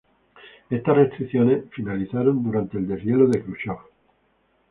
Estas restricciones finalizaron durante el "Deshielo de Jrushchov".